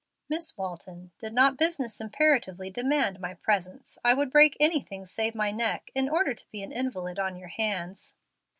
"Miss Walton, did not my business imperatively demand my presence, I would break anything save my neck, in order to be an invalid on your hands."